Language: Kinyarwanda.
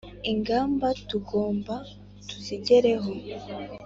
ingamba tugombwa tuzijyeraho